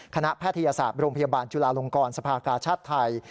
แพทยศาสตร์โรงพยาบาลจุลาลงกรสภากาชาติไทย